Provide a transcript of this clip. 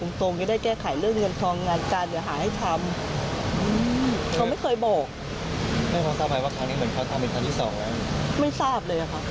ไม่ทราบเลยครับ